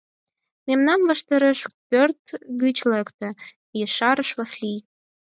— Мемнан ваштареш пӧрт гыч лекте, — ешарыш Васлий.